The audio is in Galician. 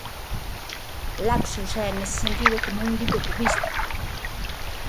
'Lapsus' é, nese sentido, como un libro cubista.